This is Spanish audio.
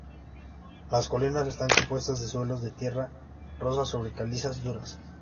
Las colinas están compuestas de suelos de tierra rosa sobre calizas duras.